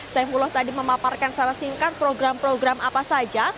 saifullah tadi memaparkan secara singkat program program apa saja